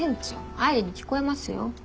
愛梨に聞こえますよ。